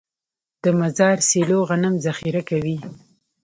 د مزار سیلو غنم ذخیره کوي.